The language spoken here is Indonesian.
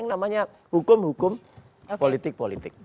yang namanya hukum hukum politik politik